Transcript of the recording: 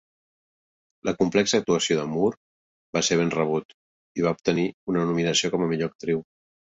La complexa actuació de Moore va ser ben rebut i va obtenir una nominació com a millor actriu.